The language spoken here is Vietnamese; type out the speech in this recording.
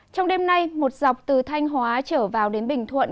trong đêm nay một dọc từ thanh hóa trở vào đến bình thuận